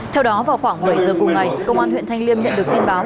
theo đó vào khoảng một mươi giờ cùng ngày công an huyện thanh liêm nhận được tin báo